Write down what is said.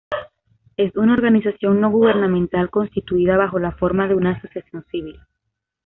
Es una organización no gubernamental, constituida bajo la forma de una asociación civil.